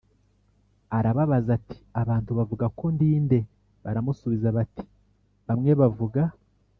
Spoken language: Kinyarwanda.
arababaza ati abantu bavuga ko ndi nde Baramusubiza bati bamwe bavuga